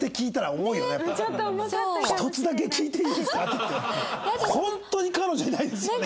「１つだけ聞いていいですか？」って言って「本当に彼女いないですよね？」